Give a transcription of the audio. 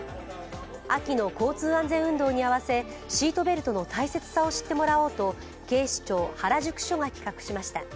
秋の交通安全運動に合わせシートベルトの大切さを知ってもらおうと警視庁原宿署が企画しました。